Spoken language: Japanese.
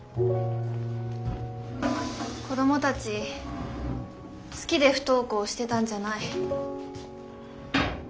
子供たち好きで不登校してたんじゃない。